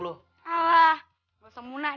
alah kamu tidak semudah